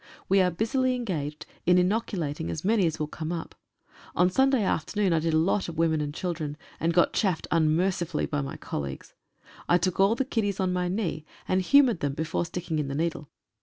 We are busily engaged in inoculating as many as will come up. On Sunday afternoon I did a lot of women and children, and got chaffed unmercifully by my colleagues. I took all the kiddies on my knee, and humoured them before sticking in the needle.